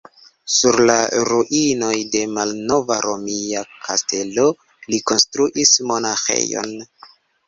Sur la ruinoj de malnova romia kastelo, li konstruis monaĥejon.